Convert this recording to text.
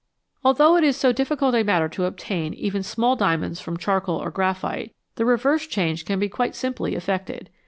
Although it is so difficult a matter to obtain even very small diamonds from charcoal or graphite, the reverse change can be quite simply effected.